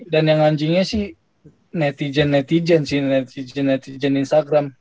dan yang anjingnya sih netizen netizen sih netizen netizen instagram